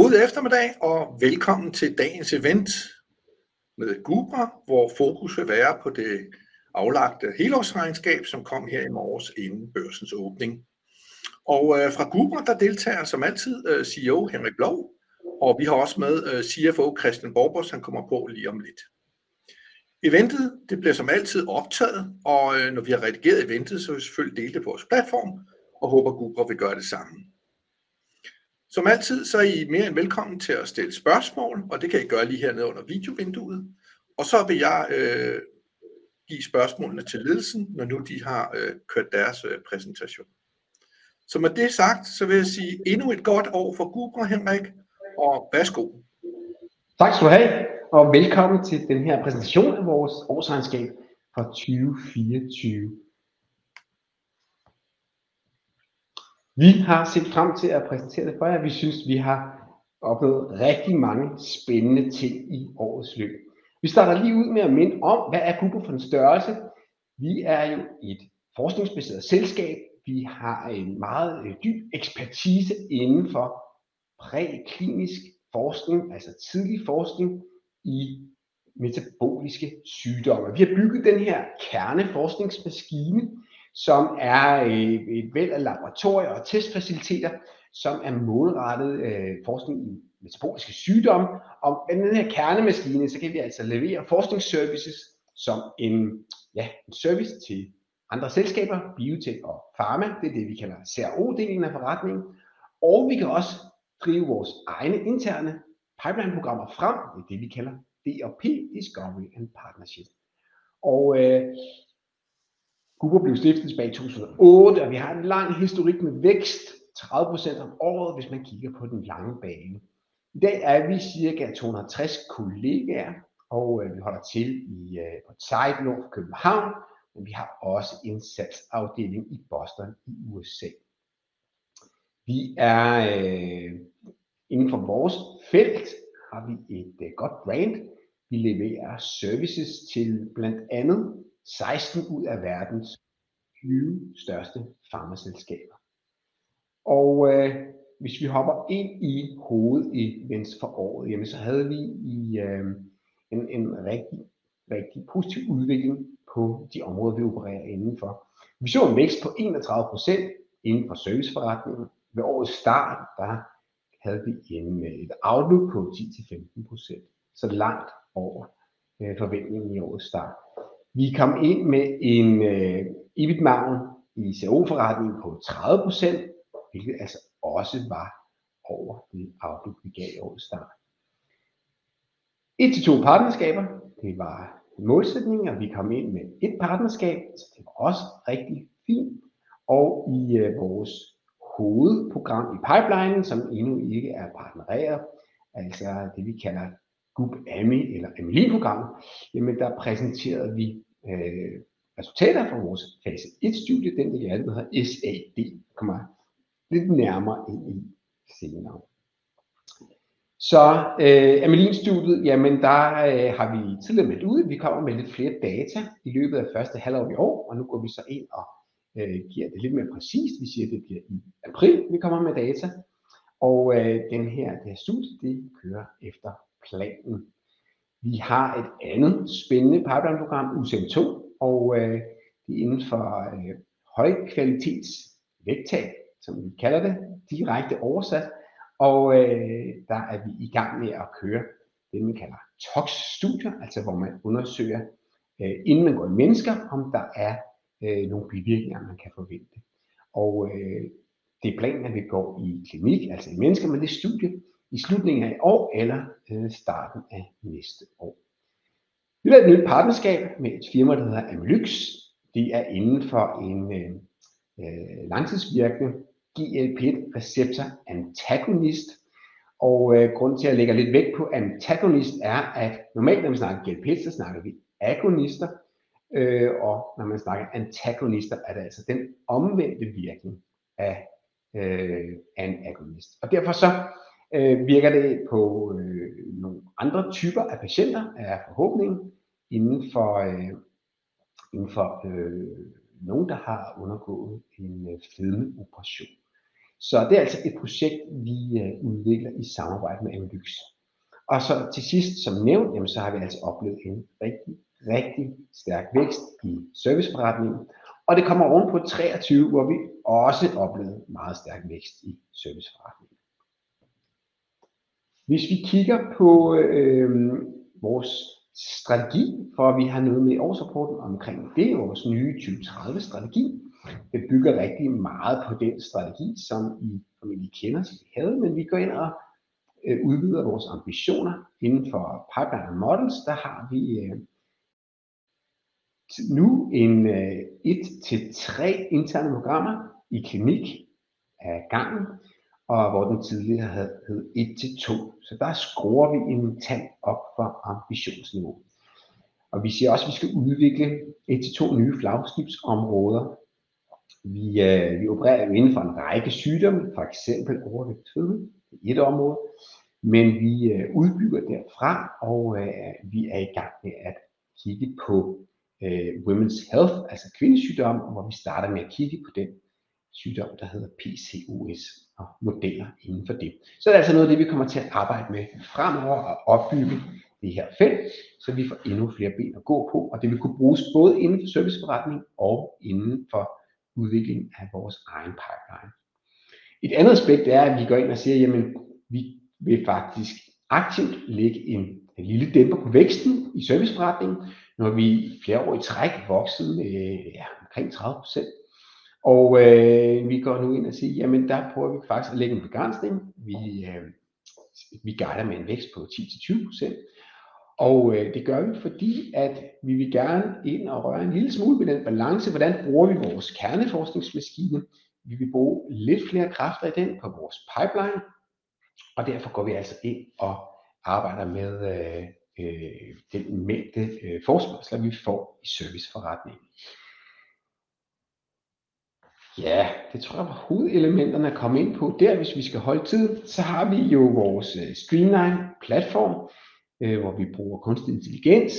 God eftermiddag, og velkommen til dagens event med Gubra, hvor fokus vil være på det aflagte helårsregnskab, som kom her i morges inden børsens åbning. Og fra Gubra deltager som altid CEO Henrik Blou, og vi har også med CFO Kristian Borbos, han kommer på lige om lidt. Eventet bliver som altid optaget, og når vi har redigeret eventet, så vil vi selvfølgelig dele det på vores platform, og håber Gubra vil gøre det samme. Som altid er I mere end velkomne til at stille spørgsmål, og det kan I gøre lige her nede under videovinduet, og så vil jeg give spørgsmålene til ledelsen, når nu de har kørt deres præsentation. Så med det sagt, så vil jeg sige endnu et godt år fra Gubra, Henrik, og værsgo. Tak skal du have, og velkommen til denne her præsentation af vores årsregnskab for 2024. Vi har set frem til at præsentere det for jer. Vi synes, vi har oplevet rigtig mange spændende ting i årets løb. Vi starter lige ud med at minde om, hvad Gubra for en størrelse. Vi er jo et forskningsbaseret selskab. Vi har en meget dyb ekspertise inden for præklinisk forskning, altså tidlig forskning i metaboliske sygdomme. Vi har bygget denne her kerneforskningsmaskine, som et væld af laboratorier og testfaciliteter, som målrettet forskning i metaboliske sygdomme. Og med denne her kernemaskine, så kan vi altså levere forskningsservices som en service til andre selskaber, biotech og pharma. Det er det, vi kalder CRO-delen af forretningen. Og vi kan også drive vores egne interne pipeline-programmer frem. Det er det, vi kalder D&P, Discovery and Partnership. Og Gubra blev stiftet tilbage i 2008, og vi har en lang historik med vækst, 30% om året, hvis man kigger på den lange bane. I dag har vi cirka 260 kollegaer, og vi holder til på et site nord for København, men vi har også en salgsafdeling i Boston i USA. Vi har inden for vores felt et godt brand. Vi leverer services til blandt andet 16 ud af verdens 20 største pharmaselskaber. Hvis vi hopper ind i hovedevents for året, så havde vi en rigtig positiv udvikling på de områder, vi opererer inden for. Vi så en vækst på 31% inden for serviceforretningen. Ved årets start havde vi en outlook på 10-15%, så langt over forventningen i årets start. Vi kom ind med en EBIT-margin i CRO-forretningen på 30%, hvilket også var over det outlook, vi gav i årets start. 1-2 partnerskaber, det var målsætningen, og vi kom ind med et partnerskab, så det var også rigtig fint. Og i vores hovedprogram i pipelinen, som endnu ikke er partnereret, altså det vi kalder Gubamy eller Amylin-programmet, der præsenterede vi resultater fra vores fase 1-studie, den vi gerne vil have SAD, kommer jeg lidt nærmere ind på senere. Så Amylin-studiet, der har vi tidligere meldt ud, at vi kommer med lidt flere data i løbet af første halvår i år, og nu går vi så ind og giver det lidt mere præcist. Vi siger, at det bliver i april, vi kommer med data, og det her studie, det kører efter planen. Vi har et andet spændende pipeline-program, UCN2, og det er inden for højkvalitetsvægttab, som vi kalder det, direkte oversat, og der er vi i gang med at køre det, man kalder tox-studier, altså hvor man undersøger, inden man går i mennesker, om der er nogle bivirkninger, man kan forvente. Og det er planen, at vi går i klinik, altså i mennesker, med det studie i slutningen af i år eller starten af næste år. Vi har et nyt partnerskab med et firma, der hedder Amylyx. Det er inden for en langtidsvirkende GLP-receptor antagonist, og grunden til, at jeg lægger lidt vægt på antagonist er, at normalt når vi snakker GLPs, så snakker vi agonister, og når man snakker antagonister, er det altså den omvendte virkning af agonist. Og derfor så virker det på nogle andre typer af patienter, forhåbentlig, inden for nogen, der har undergået en fedmeoperation. Det er altså et projekt, vi udvikler i samarbejde med Amylyx. Til sidst, som nævnt, har vi altså oplevet en rigtig, rigtig stærk vækst i serviceforretningen, og det kommer oven på 2023, hvor vi også oplevede meget stærk vækst i serviceforretningen. Hvis vi kigger på vores strategi, for at vi har noget med årsrapporten omkring det, vores nye 2030-strategi, den bygger rigtig meget på den strategi, som I formentlig kender, som vi havde, men vi går ind og udvider vores ambitioner inden for pipeline og models. Der har vi nu 1-3 interne programmer i klinik af gangen, og hvor den tidligere havde heddet 1-2, så der skruer vi en tand op for ambitionsniveau. Vi siger også, at vi skal udvikle 1-2 nye flagskibsområder. Vi opererer jo inden for en række sygdomme, for eksempel overvægt og fedme, det er et område, men vi udbygger derfra, og vi er i gang med at kigge på Women's Health, altså kvindesygdomme, hvor vi starter med at kigge på den sygdom, der hedder PCOS, og modeller inden for det. Så det er altså noget af det, vi kommer til at arbejde med fremover og opbygge det her felt, så vi får endnu flere ben at gå på, og det vil kunne bruges både inden for serviceforretning og inden for udvikling af vores egen pipeline. Et andet aspekt, det er at vi går ind og siger, at vi vil faktisk aktivt lægge en lille dæmper på væksten i serviceforretningen, når vi i flere år i træk er vokset med omkring 30%, og vi går nu ind og siger, at der prøver vi faktisk at lægge en begrænsning. Vi guider med en vækst på 10-20%, og det gør vi, fordi vi vil gerne ind og røre en lille smule ved den balance, hvordan bruger vi vores kerneforskningsmaskine. Vi vil bruge lidt flere kræfter i den på vores pipeline, og derfor går vi altså ind og arbejder med den mængde forskning, vi får i serviceforretningen. Ja, det tror jeg var hovedelementerne at komme ind på. Der, hvis vi skal holde tiden, så har vi jo vores streaMLine-platform, hvor vi bruger kunstig intelligens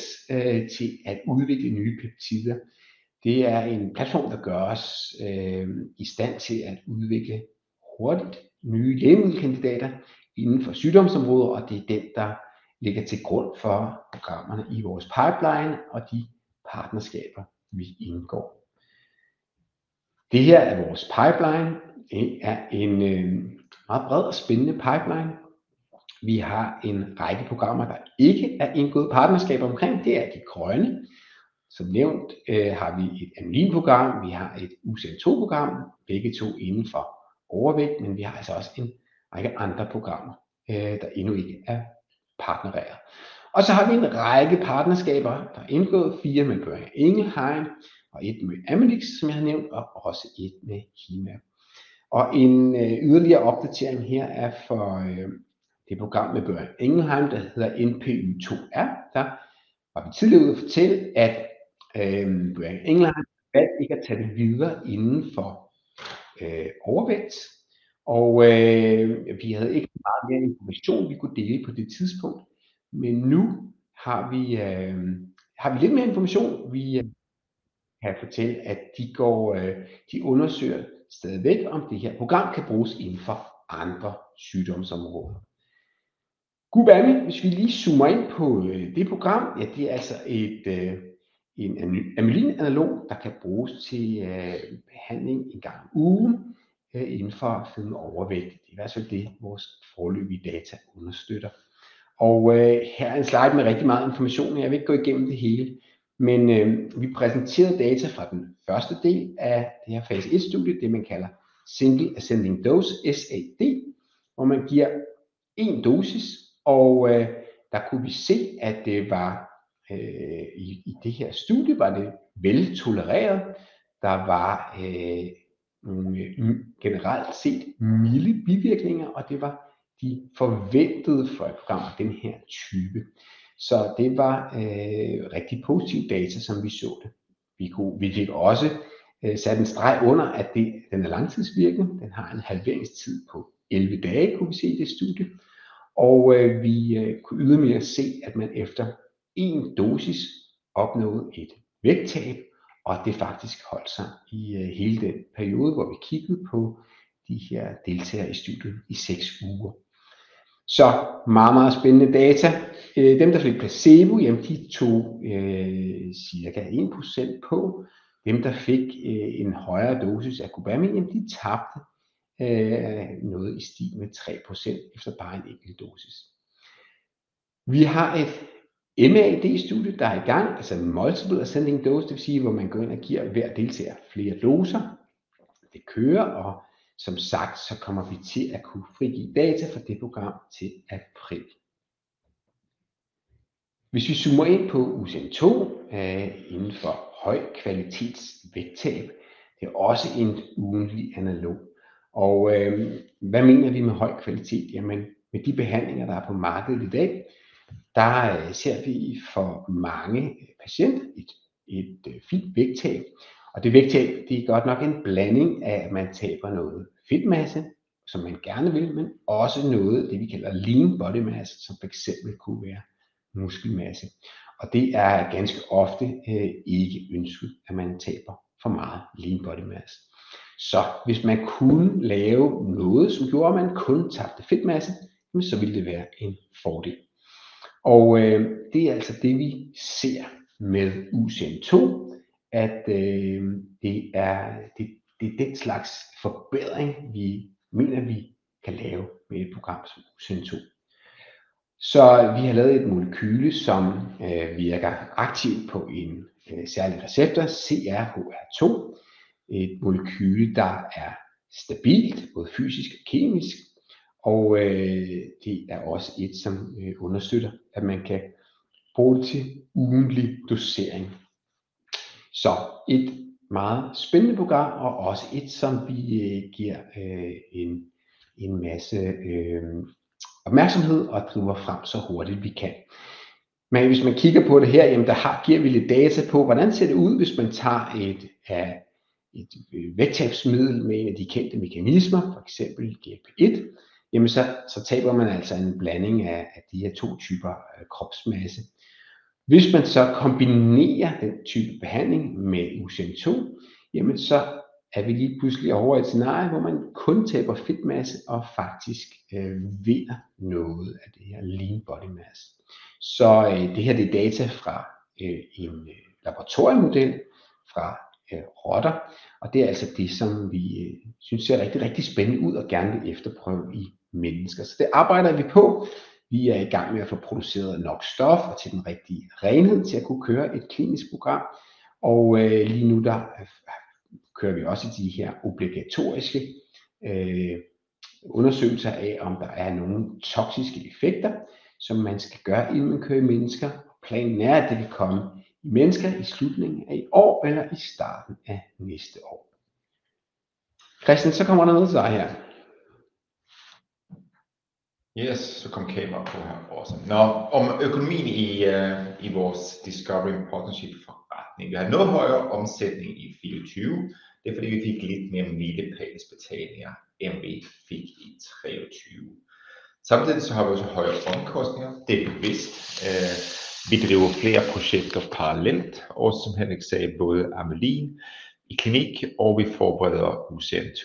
til at udvikle nye peptider. Det er en platform, der gør os i stand til at udvikle hurtigt nye lægemiddelkandidater inden for sygdomsområder, og det er den, der ligger til grund for programmerne i vores pipeline og de partnerskaber, vi indgår. Det her er vores pipeline. Det er en meget bred og spændende pipeline. Vi har en række programmer, der ikke er indgået i partnerskaber omkring. Det er de grønne. Som nævnt har vi et Amylin-program, vi har et UCN2-program, begge to inden for overvægt, men vi har altså også en række andre programmer, der endnu ikke er partnereret. Og så har vi en række partnerskaber, der er indgået, fire med Boehringer Ingelheim og et med Amylyx, som jeg har nævnt, og også et med Hemab. Og en yderligere opdatering her for det program med Boehringer Ingelheim, der hedder NPY2R. Der var vi tidligere ude at fortælle, at Boehringer Ingelheim valgte ikke at tage det videre inden for overvægt, og vi havde ikke meget mere information, vi kunne dele på det tidspunkt, men nu har vi lidt mere information. Vi kan fortælle, at de undersøger stadigvæk, om det her program kan bruges inden for andre sygdomsområder. Gubamy, hvis vi lige zoomer ind på det program, ja, det er altså en Amylin-analog, der kan bruges til behandling en gang om ugen inden for fedme og overvægt. Det er i hvert fald det, vores foreløbige data understøtter. Her er en slide med rigtig meget information. Jeg vil ikke gå igennem det hele, men vi præsenterede data fra den første del af det her fase 1-studie, det man kalder single ascending dose, SAD, hvor man giver en dosis, og der kunne vi se, at det var i det her studie veltolereret. Der var nogle generelt set midle bivirkninger, og det var de forventede for et program af den her type. Så det var rigtig positive data, som vi så det. Vi kunne også få sat en streg under, at den er langtidsvirkende. Den har en halveringstid på 11 dage, kunne vi se i det studie. Og vi kunne ydermere se, at man efter en dosis opnåede et vægttab, og det faktisk holdt sig i hele den periode, hvor vi kiggede på de her deltagere i studiet i 6 uger. Så meget, meget spændende data. Dem, der fik placebo, jamen de tog cirka 1% på. Dem, der fik en højere dosis af Gubamy, jamen de tabte noget i stil med 3% efter bare en enkelt dosis. Vi har et MAD-studie, der i gang, altså multiple ascending dose, det vil sige, hvor man går ind og giver hver deltager flere doser. Det kører, og som sagt, så kommer vi til at kunne frigive data fra det program til april. Hvis vi zoomer ind på UCN2 inden for højkvalitetsvægttab, det også en ugentlig analog. Og hvad mener vi med høj kvalitet? Jamen, med de behandlinger, der er på markedet i dag, der ser vi for mange patienter et fint vægttab. Og det vægttab, det er godt nok en blanding af, at man taber noget fedtmasse, som man gerne vil, men også noget af det, vi kalder lean body mass, som for eksempel kunne være muskelmasse. Og det er ganske ofte ikke ønsket, at man taber for meget lean body mass. Så hvis man kunne lave noget, som gjorde, at man kun tabte fedtmasse, jamen så ville det være en fordel. Og det er altså det, vi ser med UCN2, at det er den slags forbedring, vi mener, vi kan lave med et program som UCN2. Vi har lavet et molekyle, som virker aktivt på en særlig receptor, CRHR2, et molekyle, der er stabilt både fysisk og kemisk, og det er også et, som understøtter, at man kan bruge det til ugentlig dosering. Det er et meget spændende program, og også et, som vi giver en masse opmærksomhed og driver frem så hurtigt, vi kan. Men hvis man kigger på det her, der giver vi lidt data på, hvordan ser det ud, hvis man tager et vægttabsmiddel med en af de kendte mekanismer, for eksempel GLP-1. Der taber man altså en blanding af de her to typer kropsmasse. Hvis man så kombinerer den type behandling med UCN2, så er vi lige pludselig over i et scenarie, hvor man kun taber fedtmasse og faktisk vinder noget af det her lean body mass. Så det her, det data fra en laboratoriemodel fra rotter, og det altså det, som vi synes ser rigtig, rigtig spændende ud og gerne vil efterprøve i mennesker. Så det arbejder vi på. Vi er i gang med at få produceret nok stof og til den rigtige renhed til at kunne køre et klinisk program. Og lige nu, der kører vi også i de her obligatoriske undersøgelser af, om der er nogle toxiske effekter, som man skal gøre, inden man kører i mennesker. Og planen er at det kan komme i mennesker i slutningen af i år eller i starten af næste år. Kristian, så kommer der noget til dig her. Yes, så kom kameraet på her for os. Om økonomien i vores Discovery Partnership-forretning. Vi har noget højere omsætning i 2024. Det er fordi, vi fik lidt mere milestone- betalinger, end vi fik i 2023. Samtidig så har vi også højere omkostninger. Det bevidst. Vi driver flere projekter parallelt, og som Henrik sagde, både Amylin i klinik, og vi forbereder UCN2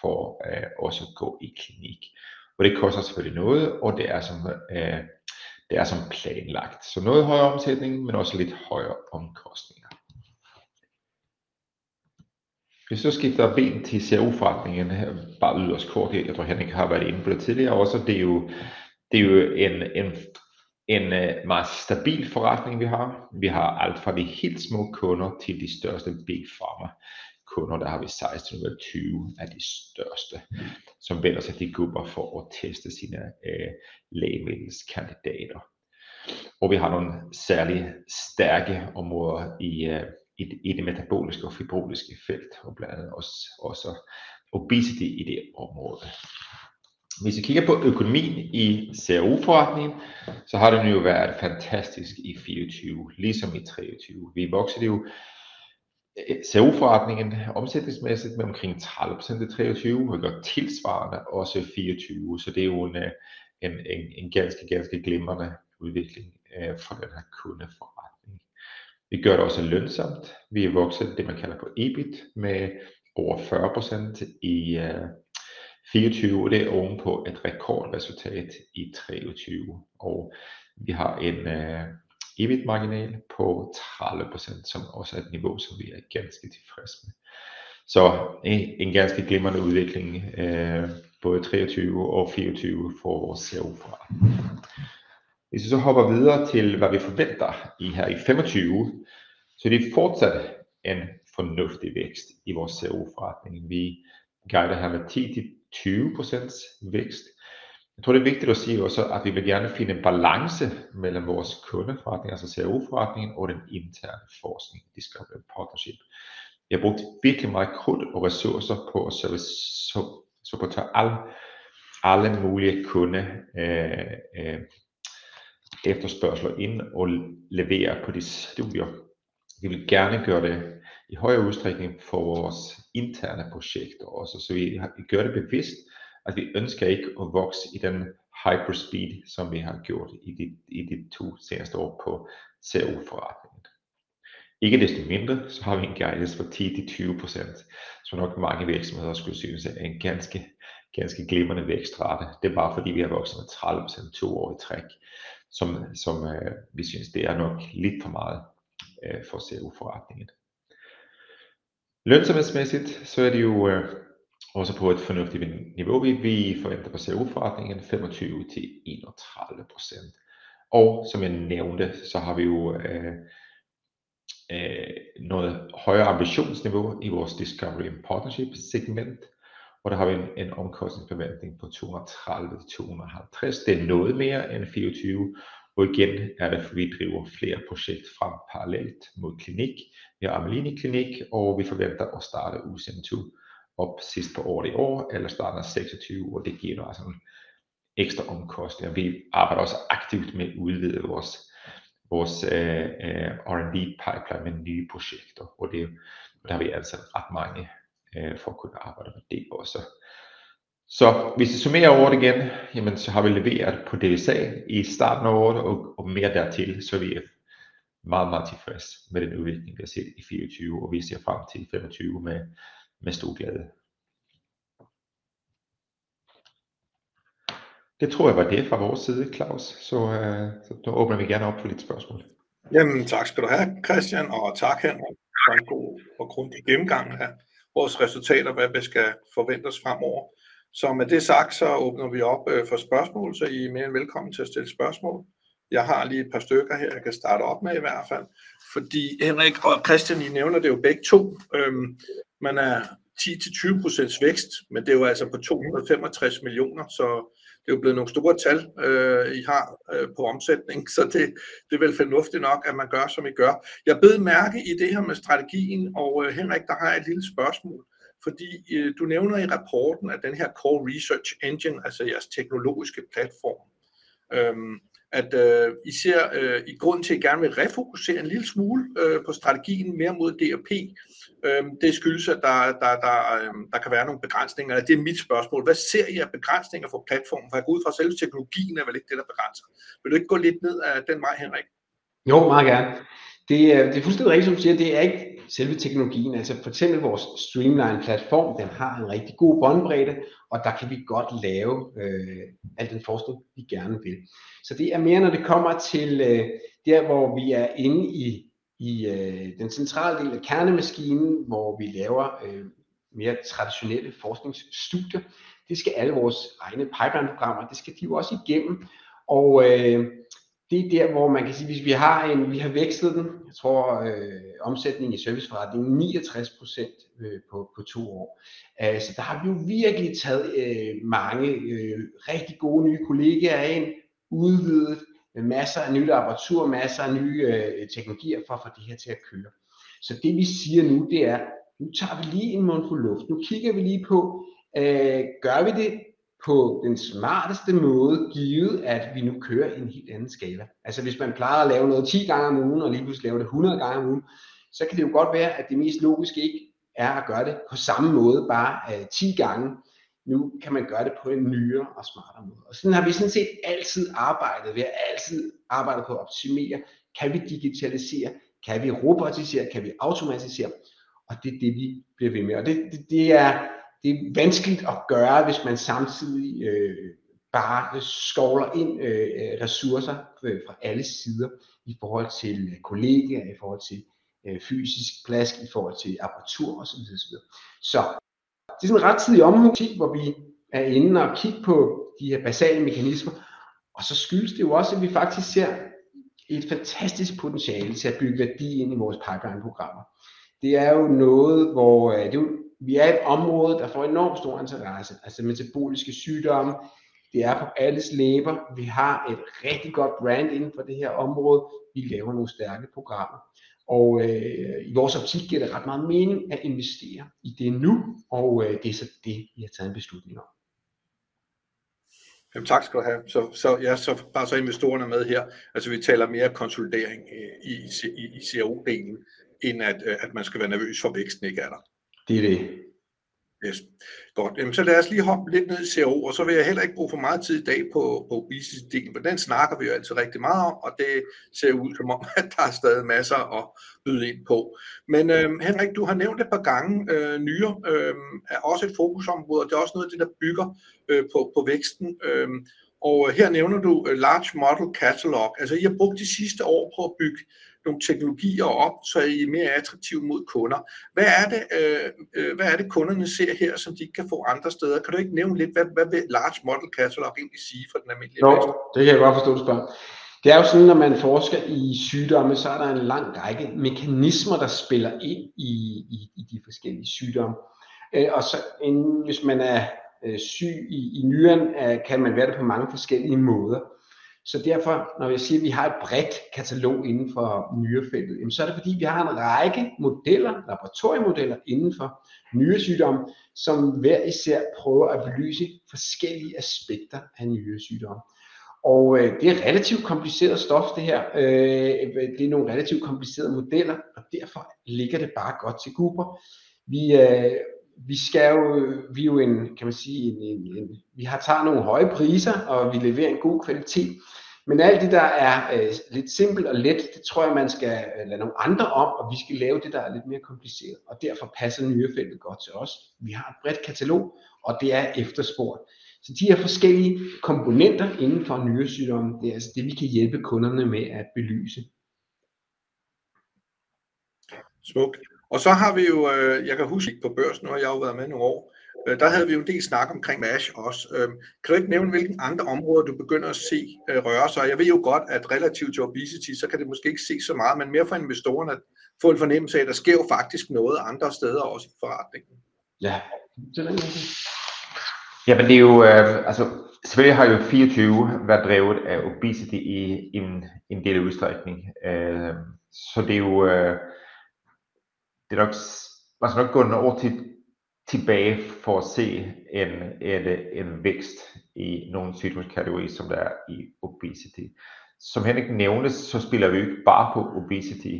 for også at gå i klinik. Og det koster selvfølgelig noget, og det som planlagt. Så noget højere omsætning, men også lidt højere omkostninger. Hvis du skifter ben til CRO-forretningen, bare yderst kort, jeg tror Henrik har været inde på det tidligere, også det jo en meget stabil forretning, vi har. Vi har alt fra de helt små kunder til de største Big Pharma kunder. Der har vi 16 ud af 20 af de største, som vender sig til Gubra for at teste sine lægemiddelskandidater. Og vi har nogle særlige stærke områder i det metaboliske og fibrotiske felt, og blandt andet også obesity i det område. Hvis vi kigger på økonomien i CRO-forretningen, så har den jo været fantastisk i 2024, ligesom i 2023. Vi voksede jo CRO-forretningen omsætningsmæssigt med omkring 30% i 2023, og vi gør tilsvarende også i 2024. Så det jo en ganske glimrende udvikling for den her kundeforretning. Vi gør det også lønnsomt. Vi vokset, det man kalder på EBIT, med over 40% i 2024, og det ovenpå et rekordresultat i 2023. Vi har en EBIT-marginal på 30%, som også et niveau, som vi ganske tilfredse med. Så en ganske glimrende udvikling både i 2023 og 2024 for vores CRO-forretning. Hvis vi så hopper videre til, hvad vi forventer i her i 2025, så det fortsat en fornuftig vækst i vores CRO-forretning. Vi guider her med 10-20% vækst. Jeg tror, det er vigtigt at sige også, at vi gerne vil finde en balance mellem vores kundeforretning, altså CRO-forretningen, og den interne forskning, Discovery Partnership. Vi har brugt virkelig meget krudt og ressourcer på at servicere alle mulige kundeefterspørgsler og levere på de studier. Vi vil gerne gøre det i højere udstrækning for vores interne projekter også, så vi gør det bevidst, at vi ikke ønsker at vokse i den hyperspeed, som vi har gjort i de to seneste år på CRO-forretningen. Ikke desto mindre har vi en guidance på 10-20%, som nok mange virksomheder skulle synes er en ganske glimrende vækstrate. Det er bare fordi, vi har vokset med 30% to år i træk, som vi synes er nok lidt for meget for CRO-forretningen. Lønsomhedsmæssigt er det jo også på et fornuftigt niveau, vi forventer på CRO-forretningen, 25-31%. Og som jeg nævnte, så har vi jo noget højere ambitionsniveau i vores Discovery Partnership-segment, og der har vi en omkostningsforventning på 230-250. Det er noget mere end 2024, og igen det, fordi vi driver flere projekter parallelt mod klinik. Vi har Amylin i klinik, og vi forventer at starte UCN2 op sidst på året i år, eller start 2026, og det giver noget ekstra omkostninger. Vi arbejder også aktivt med at udvide vores R&D-pipeline med nye projekter, og det har vi ret mange af for at kunne arbejde med det også. Så hvis vi summerer året igen, så har vi leveret på det, vi sagde i starten af året, og mere dertil, så er vi meget, meget tilfredse med den udvikling, vi har set i 2024, og vi ser frem til 2025 med stor glæde. Det tror jeg var det fra vores side, Claus. Så nu åbner vi gerne op for lidt spørgsmål. Jamen, tak skal du have, Kristian, og tak, Henrik. Tak for en god og grundig gennemgang af vores resultater, hvad vi skal forvente os fremover. Så med det sagt, så åbner vi op for spørgsmål, så I mere end velkommen til at stille spørgsmål. Jeg har lige et par stykker her, jeg kan starte op med i hvert fald, fordi Henrik og Kristian, I nævner det jo begge to. Man 10-20% vækst, men det jo altså på 265 millioner, så det jo blevet nogle store tal, I har på omsætning, så det, det vel fornuftigt nok, at man gør, som I gør. Jeg bed mærke i det her med strategien, og Henrik, der har jeg et lille spørgsmål, fordi du nævner i rapporten, at den her Core Research Engine, altså jeres teknologiske platform, at I ser i grunden til, at I gerne vil refokusere en lille smule på strategien mere mod D&P. Det skyldes, at der kan være nogle begrænsninger, eller det mit spørgsmål. Hvad ser I af begrænsninger for platformen? For jeg går ud fra, at selve teknologien vel ikke det, der begrænser. Vil du ikke gå lidt ned ad den vej, Henrik? Jo, meget gerne. Det fuldstændig rigtigt, som du siger. Det ikke selve teknologien, altså for eksempel vores streamline platform, den har en rigtig god båndbredde, og der kan vi godt lave alt den forskning, vi gerne vil. Så det mere, når det kommer til der, hvor vi inde i den centrale del af kernemaskinen, hvor vi laver mere traditionelle forskningsstudier. Det skal alle vores egne pipeline-programmer, det skal de jo også igennem, og det der, hvor man kan sige, hvis vi har en, vi har vækstet den, jeg tror omsætningen i serviceforretningen 69% på to år. Der har vi jo virkelig taget mange rigtig gode nye kollegaer ind, udvidet med masser af nyt apparatur, masser af nye teknologier for at få det her til at køre. Det, vi siger nu, det nu tager vi lige en mundfuld luft, nu kigger vi lige på, gør vi det på den smarteste måde, givet at vi nu kører i en helt anden skala. Altså, hvis man plejer at lave noget 10 gange om ugen, og lige pludselig laver det 100 gange om ugen, så kan det jo godt være, at det mest logiske ikke er at gøre det på samme måde, bare 10 gange mere. Nu kan man gøre det på en nyere og smartere måde. Sådan har vi sådan set altid arbejdet, vi har altid arbejdet på at optimere. Kan vi digitalisere? Kan vi robotisere? Kan vi automatisere? Det er det, vi bliver ved med. Det er det, der er vanskeligt at gøre, hvis man samtidig bare skovler ressourcer ind fra alle sider i forhold til kollegaer, i forhold til fysisk plads, i forhold til apparatur osv. Det er sådan en rettidig omhu. Ting, hvor vi inde og kigge på de her basale mekanismer, og så skyldes det jo også, at vi faktisk ser et fantastisk potentiale til at bygge værdi ind i vores pipeline-programmer. Det er jo noget, hvor det jo, vi et område, der får enormt stor interesse, altså metaboliske sygdomme, det på alles læber, vi har et rigtig godt brand inden for det her område, vi laver nogle stærke programmer, og i vores optik giver det ret meget mening at investere i det nu, og det så det, vi har taget en beslutning om. Jamen, tak skal du have. Så ja, så bare så investorerne med her, altså vi taler mere konsultering i CRO-delen, end at man skal være nervøs for, at væksten ikke der. Det det. Ja, godt, jamen så lad os lige hoppe lidt ned i CRO, og så vil jeg heller ikke bruge for meget tid i dag på obesity-delen, for den snakker vi jo altid rigtig meget om, og det ser jo ud som om, at der stadig er masser at byde ind på. Men Henrik, du har nævnt et par gange, nyere også et fokusområde, og det er også noget af det, der bygger på væksten, og her nævner du Large Model Catalog, altså I har brugt de sidste år på at bygge nogle teknologier op, så I er mere attraktive mod kunder. Hvad er det, hvad er det kunderne ser her, som de ikke kan få andre steder? Kan du ikke nævne lidt, hvad vil Large Model Catalog egentlig sige for den almindelige kund? Jo, det kan jeg godt forstå spørgsmålet. Det er jo sådan, når man forsker i sygdomme, så er der en lang række mekanismer, der spiller ind i de forskellige sygdomme, og så inden, hvis man er syg i nyrerne, kan man være det på mange forskellige måder. Så derfor, når jeg siger, at vi har et bredt katalog inden for nyrefeltet, jamen så er det fordi, vi har en række modeller, laboratoriemodeller inden for nyresygdomme, som hver især prøver at belyse forskellige aspekter af nyresygdomme. Og det er relativt kompliceret stof, det her. Det er nogle relativt komplicerede modeller, og derfor ligger det bare godt til Gubra. Vi skal jo, kan man sige, vi har taget nogle høje priser, og vi leverer en god kvalitet, men alt det, der lidt simpelt og let, det tror jeg, man skal lade nogle andre om, og vi skal lave det, der lidt mere kompliceret, og derfor passer nyrefeltet godt til os. Vi har et bredt katalog, og det efterspørges. Så de her forskellige komponenter inden for nyresygdomme, det er altså det, vi kan hjælpe kunderne med at belyse. Smukt. Og så har vi jo, jeg kan huske på børsen nu, og jeg har jo været med i nogle år, der havde vi jo en del snak omkring MASH også. Kan du ikke nævne, hvilke andre områder du begynder at se røre sig? Jeg ved jo godt, at relativt til obesity, så kan det måske ikke ses så meget, men mere for investorerne at få en fornemmelse af, at der sker jo faktisk noget andre steder også i forretningen. Ja, det den måde. Jamen, det jo selvfølgelig har jo 2024 været drevet af obesity i en del udstrækning. Så det jo det nok, man skal nok gå nogle år tilbage for at se en vækst i nogle sygdomskategorier, som der i obesity. Som Henrik nævnte, så spiller vi jo ikke bare på obesity.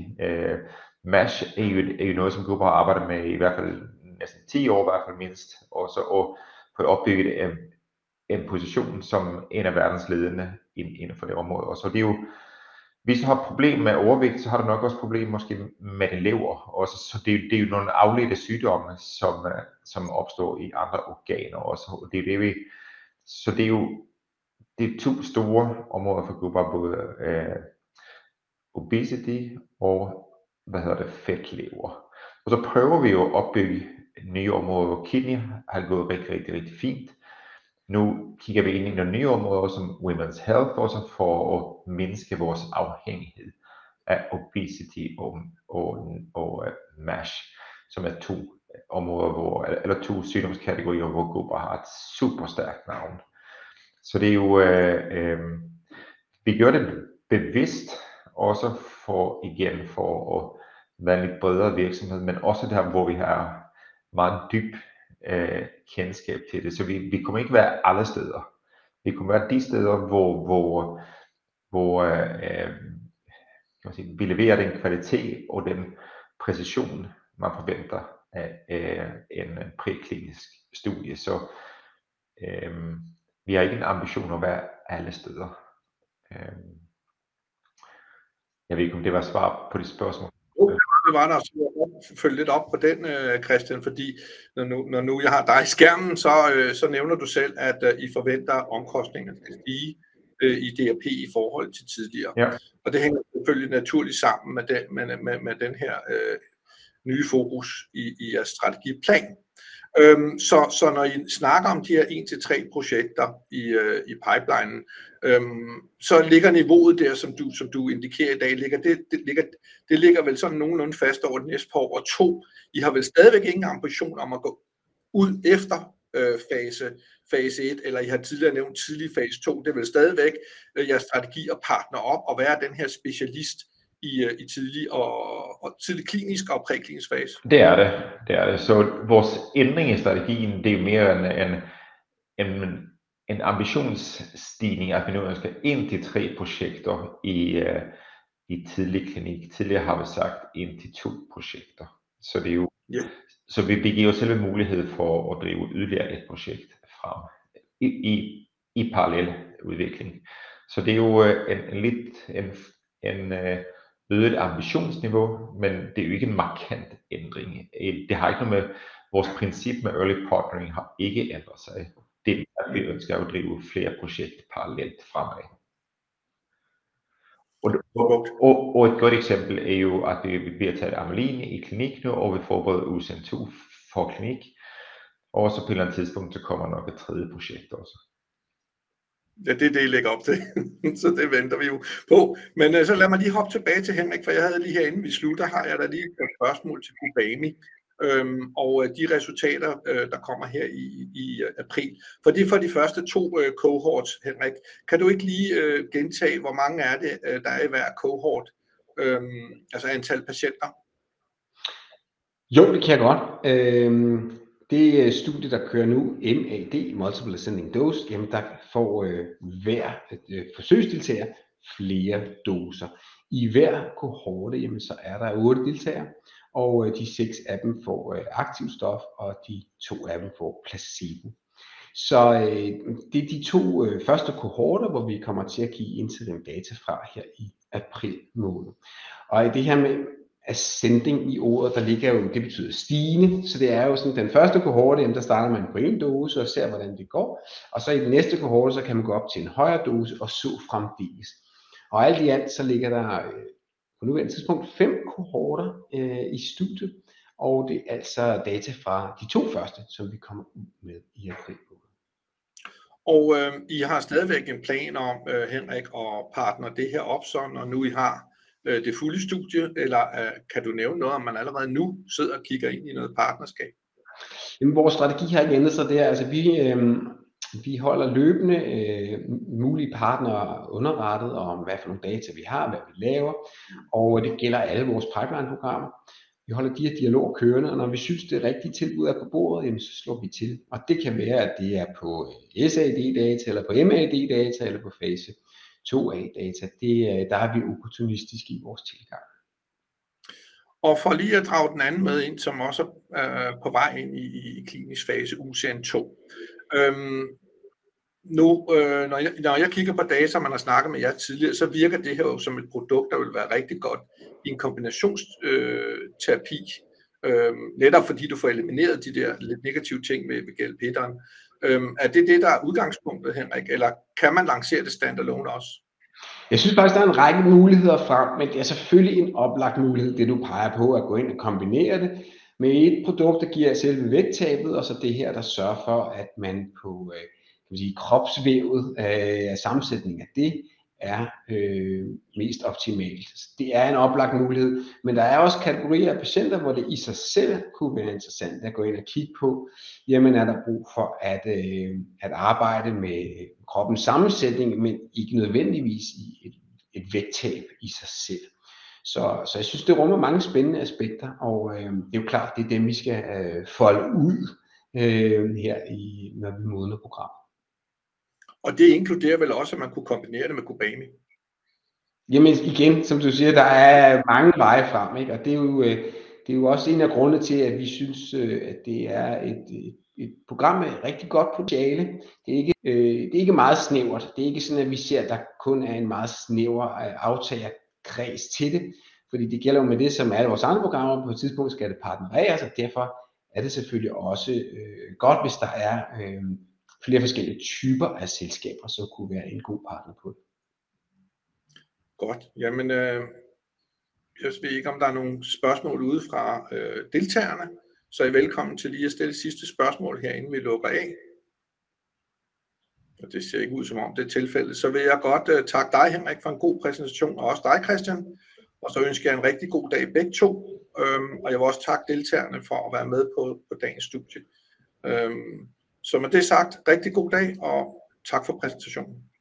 MASH jo noget, som Gubra har arbejdet med i hvert fald næsten 10 år, i hvert fald mindst, og så på at opbygge en position som en af verdens ledende inden for det område. Og så det jo, hvis du har problemer med overvægt, så har du nok også problemer måske med lever. Og så det jo nogle afledte sygdomme, som opstår i andre organer også, og det jo det, vi, så det jo de to store områder for Gubra, både obesity og fedtlever. Og så prøver vi jo at opbygge nye områder, hvor kidney har gået rigtig, rigtig, rigtig fint. Nu kigger vi ind i nogle nye områder, som Women's Health, også for at mindske vores afhængighed af obesity og MASH, som to områder, eller to sygdomskategorier, hvor Gubra har et super stærkt navn. Så det jo, vi gør det bevidst, også for igen for at være en lidt bredere virksomhed, men også der, hvor vi har meget dyb kendskab til det. Vi kommer ikke være alle steder. Vi kommer være de steder, hvor vi leverer den kvalitet og den præcision, man forventer af en præklinisk studie. Vi har ikke en ambition at være alle steder. Jeg ved ikke, om det var svar på dit spørgsmål. Det var der, så jeg vil opfølge lidt op på den, Kristian, fordi når nu jeg har dig i skærmen, så nævner du selv, at I forventer, at omkostningerne skal stige i D&P i forhold til tidligere. Det hænger selvfølgelig naturligt sammen med den nye fokus i jeres strategiplan. Øhm, så når I snakker om de her 1-3 projekter i pipelinen, så ligger niveauet der, som du indikerer i dag, det ligger vel sådan nogenlunde fast over de næste par år og to. I har vel stadigvæk ingen ambition om at gå ud efter fase 1, eller I har tidligere nævnt tidlig fase 2. Det vel stadigvæk jeres strategi at partnere op og være den her specialist i tidlig og tidlig klinisk og præklinisk fase. Så vores ændring i strategien, det jo mere end en ambitionsstigning at finde ud af, at vi skal 1-3 projekter i tidlig klinik. Tidligere har vi sagt 1-2 projekter. Så det jo, ja, så vi begiver os selv en mulighed for at drive yderligere et projekt frem i parallel udvikling. Så det jo en lidt øget ambitionsniveau, men det jo ikke en markant ændring. Det har ikke noget med vores princip med early partnering har ikke ændret sig. Det vi ønsker at drive flere projekter parallelt fremad. Et godt eksempel jo, at vi bliver taget Amylin i klinik nu, og vi forbereder UCN2 for klinik. På et eller andet tidspunkt, så kommer nok et tredje projekt også. Ja, det I lægger op til. Så det venter vi jo på. Men så lad mig lige hoppe tilbage til Henrik, for jeg havde lige herinde, vi sluttede, der har jeg da lige et spørgsmål til Gubami. De resultater, der kommer her i april. For de første to cohorts, Henrik, kan du ikke lige gentage, hvor mange det, der i hver cohort, altså antal patienter? Jo, det kan jeg godt. Det studie, der kører nu, MAD, multiple ascending dose, der får hver forsøgsdeltager flere doser. I hver cohorte er der otte deltagere, og de seks af dem får aktivt stof, og de to af dem får placebo. De to første cohorter, hvor vi kommer til at give incident data fra her i april måned. Og i det her med ascending i ordet, der ligger det betyder stigende, så det sådan, den første cohorte, der starter man på en dose og ser, hvordan det går, og så i den næste cohorte, så kan man gå op til en højere dose og så fremdeles. Og alt i alt, så ligger der på nuværende tidspunkt fem cohorter i studiet, og det altså data fra de to første, som vi kommer ud med i april måned. Og I har stadigvæk en plan om, Henrik, at partnere det her op, sådan når nu I har det fulde studie, eller kan du nævne noget om, at man allerede nu sidder og kigger ind i noget partnerskab? Jamen, vores strategi har ikke ændret sig, det altså, vi holder løbende mulige partnere underrettet om, hvad for nogle data vi har, hvad vi laver, og det gælder alle vores pipeline-programmer. Vi holder de her dialoger kørende, og når vi synes, det rigtige tilbud på bordet, jamen så slår vi til. Og det kan være, at det på SAD-data, eller på MAD-data, eller på fase 2A-data. Det der vi opportunistiske i vores tilgang. Og for lige at drage den anden med ind, som også på vej ind i klinisk fase, UCN2. Øhm, nu, når jeg kigger på data, man har snakket med jer tidligere, så virker det her jo som et produkt, der vil være rigtig godt i en kombinationsterapi, netop fordi du får elimineret de der lidt negative ting ved galpeteren. Er det det, der er udgangspunktet, Henrik, eller kan man lancere det stand-alone også? Jeg synes faktisk, der er en række muligheder frem, men det er selvfølgelig en oplagt mulighed, det du peger på, at gå ind og kombinere det med et produkt, der giver selve vægttabet, og så det her, der sørger for, at man på, kan man sige, kropsvævets sammensætning af det er mest optimal. Så det er en oplagt mulighed, men der er også kategorier af patienter, hvor det i sig selv kunne være interessant at gå ind og kigge på, jamen der er brug for at arbejde med kroppens sammensætning, men ikke nødvendigvis i et vægttab i sig selv. Så jeg synes, det rummer mange spændende aspekter, og det er jo klart, det er dem, vi skal folde ud her i, når vi modner programmet. Det inkluderer vel også, at man kunne kombinere det med Gubamy? Jamen igen, som du siger, der er mange veje frem, ikke? Det er jo også en af grundene til, at vi synes, at det er et program med rigtig godt potentiale. Det er ikke meget snævert. Det er ikke sådan, at vi ser, at der kun er en meget snæver aftagerkreds til det, fordi det gælder jo med det, som alle vores andre programmer på et tidspunkt skal partnereres, og derfor er det selvfølgelig også godt, hvis der er flere forskellige typer af selskaber, som kunne være en god partner på det. Godt, jamen jeg ved ikke, om der er nogle spørgsmål ude fra deltagerne, så I er velkommen til lige at stille sidste spørgsmål herinden, før vi lukker af. Og det ser ikke ud som om, det er tilfældet, så vil jeg godt takke dig, Henrik, for en god præsentation, og også dig, Kristian. Og så ønsker jeg en rigtig god dag til begge to, og jeg vil også takke deltagerne for at være med på dagens studie. Så med det sagt, rigtig god dag, og tak for præsentationen.